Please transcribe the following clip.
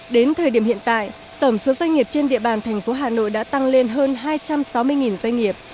đến thời điểm hiện tại tổng số doanh nghiệp trên địa bàn thành phố hà nội đã tăng lên hơn hai trăm sáu mươi doanh nghiệp